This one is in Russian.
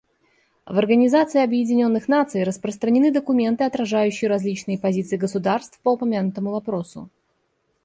В Организации Объединенных Наций распространены документы, отражающие различные позиции государств по упомянутому вопросу.